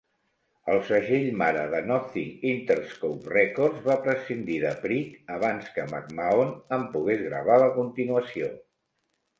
El segell mare de Nothing, Interscope Records, va prescindir de Prick abans que McMahon en pogués gravar la continuació.